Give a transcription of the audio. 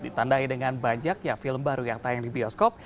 ditandai dengan banyaknya film baru yang tayang di bioskop